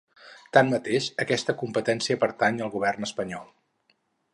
Tanmateix, aquesta competència pertany al govern espanyol.